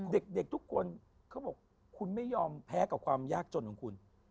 เด็กทุกคนเขาบอกคุณไม่ยอมแพ้กับความยากจนของคุณ